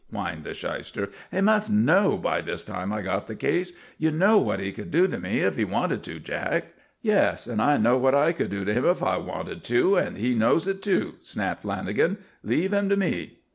whined the shyster. "He must know by this time I got the case. You know what he could do to me if he wanted to, Jack." "Yes, and I know what I could do to him if I wanted to, and he knows it, too," snapped Lanagan. "Leave him to me."